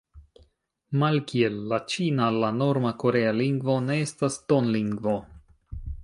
Malkiel la ĉina, la norma korea lingvo ne estas tonlingvo.